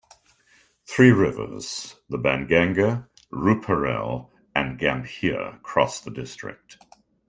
Three rivers, the Ban Ganga, Rooparel, and Gambhir, cross the district.